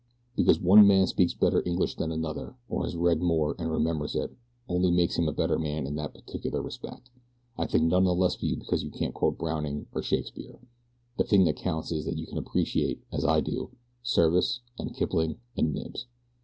"Because one man speaks better English than another, or has read more and remembers it, only makes him a better man in that particular respect. I think none the less of you because you can't quote Browning or Shakespeare the thing that counts is that you can appreciate, as I do, Service and Kipling and Knibbs.